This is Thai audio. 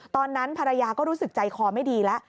ตอนนั้นภรรยาก็รู้สึกใจคอไม่ดีแล้ว